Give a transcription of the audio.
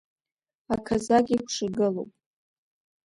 Аказақ икәша игылоуп.